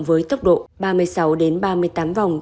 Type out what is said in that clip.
với tốc độ ba mươi sáu ba mươi tám vòng